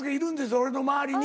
俺の周りに。